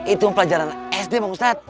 itu pelajaran sd bang ustadz